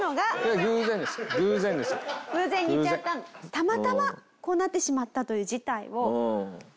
たまたまこうなってしまったという事態を。